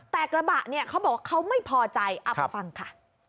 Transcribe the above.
แต่กระบะเนี่ยเขาบอกว่าเขาไม่พอใจเอาไปฟังค่ะ